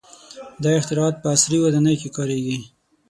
• دا اختراعات په عصري ودانیو کې کارېږي.